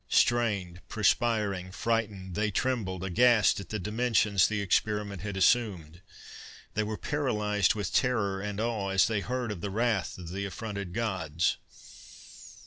Strained, perspiring, frightened, they trembled, aghast at the dimensions the experiment had assumed; they were paralysed with terror and awe as they heard of the wrath of the affronted Gods.